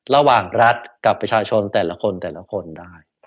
ระหว่างรัฐกับประชาชนแต่ละคนได้